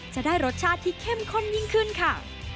จะได้รสชาติที่เข้มข้นยิ่งขึ้นค่ะ